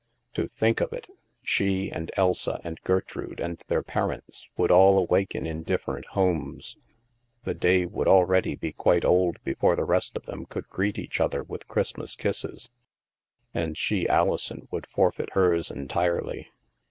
To think of it ! She, and Elsa, and Gertrude, and their parents, would all awaken in different homes ! The day would already be quite old before the rest of them could greet each other with Christmas kisses, and she, Alison, would forfeit hers entirely.